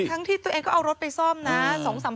ทั้งที่ตัวเองก็เอารถไปซ่อมนะ